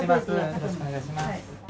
よろしくお願いします。